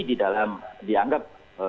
di dalam dianggap